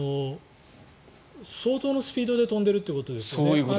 相当のスピードで飛んでるということですよね。